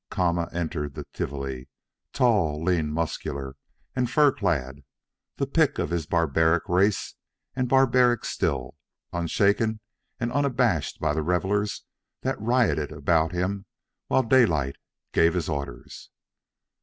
Kama entered the Tivoli, tall, lean, muscular, and fur clad, the pick of his barbaric race and barbaric still, unshaken and unabashed by the revellers that rioted about him while Daylight gave his orders.